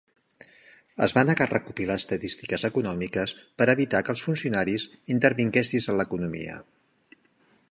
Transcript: Es va negar a recopilar estadístiques econòmiques per evitar que els funcionaris intervinguessis en l'economia.